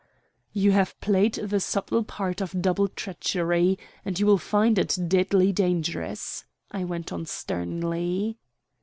"You have played the subtle part of double treachery, and you will find it deadly dangerous," I went on sternly.